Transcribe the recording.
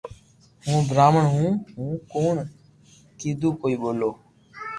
ھون براھمڻ ھون ھون ڪوڻ ڪيدو ڪوئي ٻولو